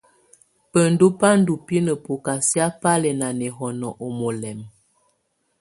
Bəndú ba ndɔ binə bɔkasɛa ba lɛ́ na nɛhɔ́nɔ u mɔlɛmb.